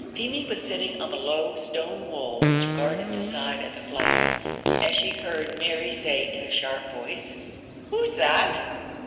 Feemy was sitting on the low stone wall, which guarded the side of the flags, as she heard Mary say in a sharp voice "Who's that?